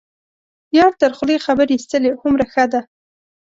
یار تر خولې خبر یستلی هومره ښه ده.